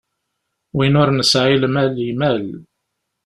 Win ur nesɛi lmal, imal.